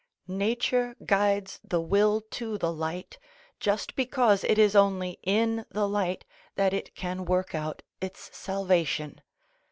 Nature guides the will to the light, just because it is only in the light that it can work out its salvation.